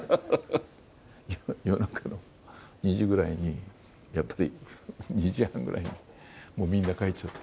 夜中の２時ぐらいに、やっぱり、２時半ぐらいにもうみんな帰っちゃって。